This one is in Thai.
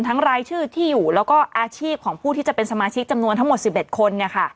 รายชื่อที่อยู่แล้วก็อาชีพของผู้ที่จะเป็นสมาชิกจำนวนทั้งหมด๑๑คน